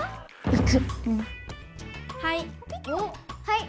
はい！